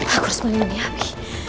aku harus memilih api